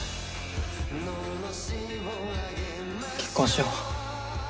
結婚しよう。